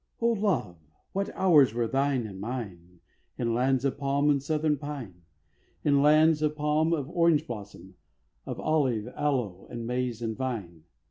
O LOVE, what hours were thine and mine, In lands of palm and southern pine; In lands of palm, of orange blossom, Of olive, aloe, and maize and vine.